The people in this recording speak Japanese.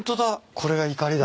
これがいかりだ。